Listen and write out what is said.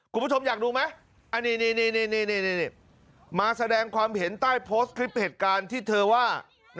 คุณผู้ชมอยากดูไหมอันนี้มาแสดงความเห็นใต้โพสต์คลิปเหตุการณ์ที่เธอว่า